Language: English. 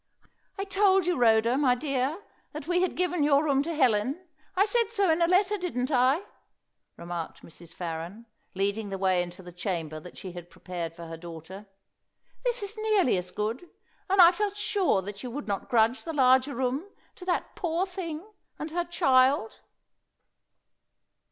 "I told you, Rhoda, my dear, that we had given your room to Helen. I said so in a letter, didn't I?" remarked Mrs. Farren, leading the way into the chamber that she had prepared for her daughter. "This is nearly as good. And I felt sure that you would not grudge the larger room to that poor thing and her child."